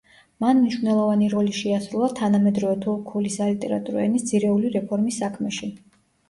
მან მნიშვნელოვანი როლი შეასრულა თანამედროვე თურქული სალიტერატურო ენის ძირეული რეფორმის საქმეში.